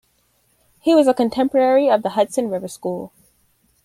He was a contemporary of the Hudson River School.